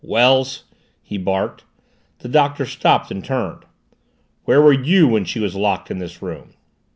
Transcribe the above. "Wells!" he barked. The Doctor stopped and turned. "Where were you when she was locked in this room?"